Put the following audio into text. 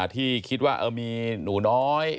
ที่คิดว่ามีหนูน้อย